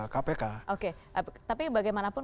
kpk oke tapi bagaimanapun